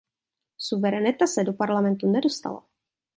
Suverenita se do Parlamentu nedostala.